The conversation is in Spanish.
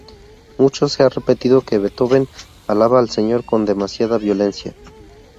Mucho se ha repetido que Beethoven alaba al Señor con demasiada violencia.